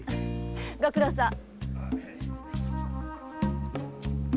ご苦労さん。